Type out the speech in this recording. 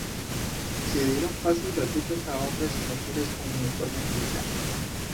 Se dieron pases gratuitos a hombres y mujeres con uniforme militar.